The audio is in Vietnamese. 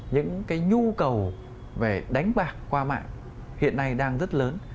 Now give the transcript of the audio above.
những cái nhu cầu về đánh bạc qua mạng hiện nay đang rất lớn